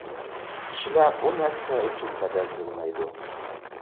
كىشىلەر بۇ نەرسىلەر ئۈچۈن بەدەل تۆلىمەيدۇ.